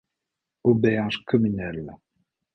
Auberge communale.